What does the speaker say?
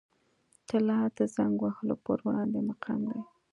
طلا د زنګ وهلو پر وړاندې مقاوم دی.